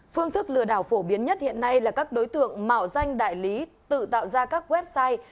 phương thức lừa đảo phổ biến nhất hiện nay là các đối tượng mạo danh đại lý tự tạo ra các website